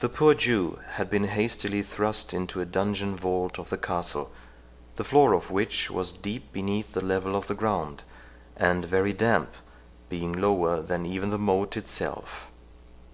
The poor Jew had been hastily thrust into a dungeon vault of the castle, the floor of which was deep beneath the level of the ground, and very damp, being lower than even the moat itself.